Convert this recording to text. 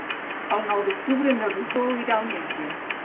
El nou d'octubre na Rosó irà al metge.